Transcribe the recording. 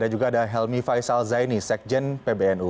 dan juga ada helmi faisal zaini sekjen pbnu